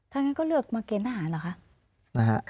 ท่านก็เลือกมาเกณฑ์ทหารเหรอคะ